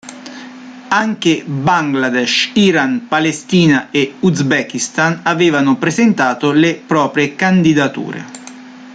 Anche Bangladesh, Iran, Palestina e Uzbekistan avevano presentato le proprie candidature.